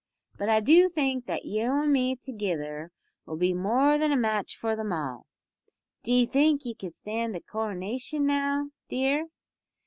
But I do think that you an' me togither'll be more than a match for them all. D'ee think ye could stand the caronation now, dear?"